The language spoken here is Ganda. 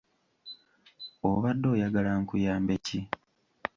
Obadde oyagala nkuyambe ki?